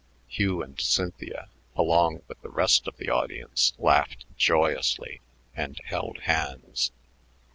Hugh and Cynthia, along with the rest of the audience, laughed joyously and held hands.